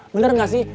benar gak sih